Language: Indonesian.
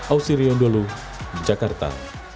ausirion dulu jakarta